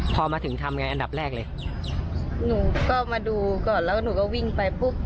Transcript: พอมาถึงทำไงอันดับแรกเลยหนูก็มาดูก่อนแล้วหนูก็วิ่งไปปุ๊บ